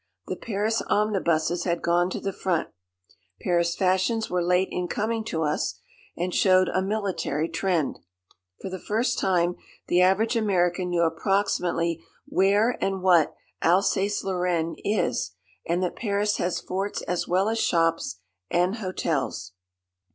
The Paris omnibuses had gone to the front. Paris fashions were late in coming to us, and showed a military trend. For the first time the average American knew approximately where and what Alsace Lorraine is, and that Paris has forts as well as shops and hotels.